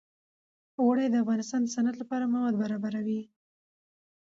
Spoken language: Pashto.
اوړي د افغانستان د صنعت لپاره مواد برابروي.